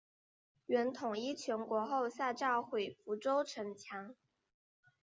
元统一全国后下诏毁福州城墙。